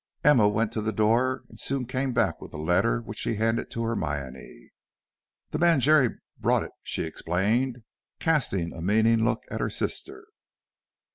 Emma went to the door and soon came back with a letter which she handed to Hermione. "The man Jerry brought it," she explained, casting a meaning look at her sister.